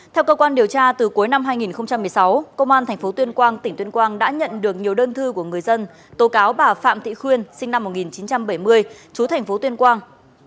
theo cơ quan điều tra từ cuối năm hai nghìn một mươi sáu công an tp tuyên quang tỉnh tuyên quang đã nhận được nhiều đơn thư của người dân tố cáo bà phạm thị khuyên sinh năm một nghìn chín trăm bảy mươi chú thành phố tuyên quang